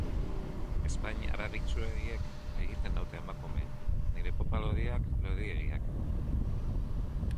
Ezpain haragitsuegiek egiten naute emakume, nire popa lodiak, lodiegiak.